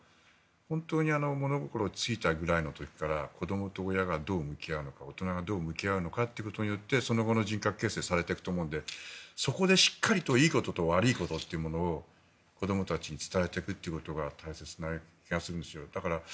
本当に物心ついたぐらいの時から子供と親がどう向き合うか大人がどう向き合うのかによってその後の人格形成がされていくと思うのでそこでしっかりといいことと悪いことを子供たちに伝えることが大切だと思います。